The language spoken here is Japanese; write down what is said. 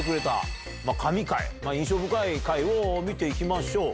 印象深い回を見て行きましょう。